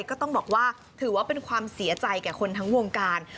ก็ต้องบอกว่าถือว่าเป็นความเสียใจแก่คนทั้งวงการ